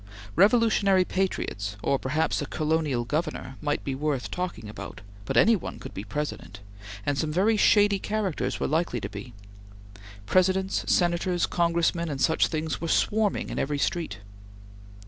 Revolutionary patriots, or perhaps a Colonial Governor, might be worth talking about, but any one could be President, and some very shady characters were likely to be. Presidents, Senators, Congressmen, and such things were swarming in every street.